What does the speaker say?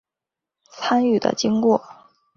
参与的经过